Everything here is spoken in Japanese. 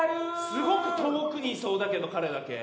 すごく遠くにいそうだけど彼だけ。